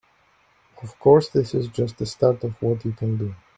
Of course, this is just the start of what you can do.